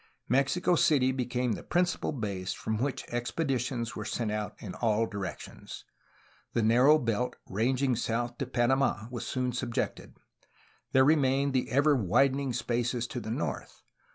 Mexico City became the principal base from which expeditions were sent out in all directions. The narrow belt ranging south to Panamd was soon subjected. There remained the ever widening spaces to the north.